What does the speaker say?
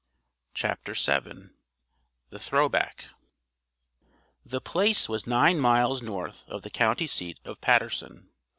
CHAPTER VII THE THROWBACK The Place was nine miles north of the county seat city of Paterson.